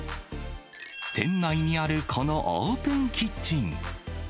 店内にあるこのオープンキッチン。